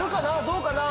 どうかな？